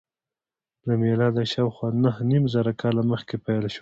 له میلاده شاوخوا نهه نیم زره کاله مخکې پیل شول.